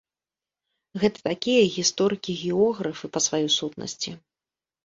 Гэта такія гісторыкі-географы па сваёй сутнасці.